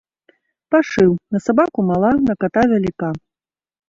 Пашыў: на сабаку ‒ мала, на ката ‒ вяліка